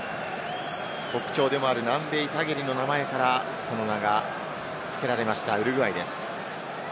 特徴でもある南米の名前からその名が付けられました、ウルグアイです。